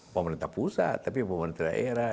pemerintah pusat tapi pemerintah daerah